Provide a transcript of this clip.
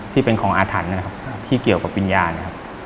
ที่เป็นของอาถรรพ์นะครับที่เกี่ยวกับวิญญาณนะครับ